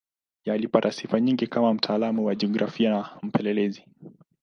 Alipata sifa nyingi kama mtaalamu wa jiografia na mpelelezi.